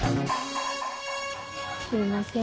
すいません